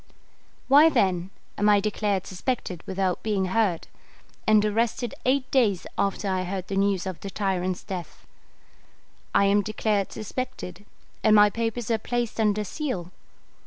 Why, then, am I declared suspected without being heard, and arrested eight days after I heard the news of the tyrant's death? I am declared suspected, and my papers are placed under seal.